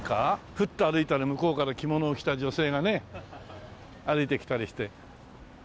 ふっと歩いたら向こうから着物を着た女性がね歩いてきたりして。